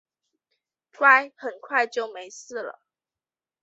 乖，很快就没事了